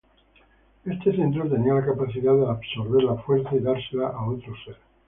Este cetro tenía la capacidad de absorber La Fuerza y dársela a otro ser.